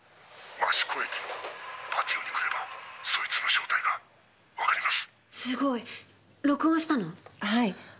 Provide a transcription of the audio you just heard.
益子駅のパティオに来ればそいつの正体がわかります」